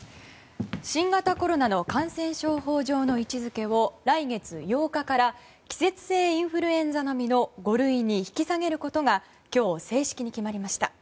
新型コロナの感染症法上の位置づけを来月８日から季節性インフルエンザ並みの５類に引き下げることが今日、正式に決まりました。